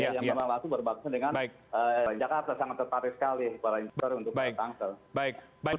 para insur untuk kita tangsel